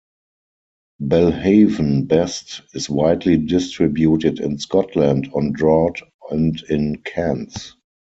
Belhaven Best is widely distributed in Scotland on draught and in cans.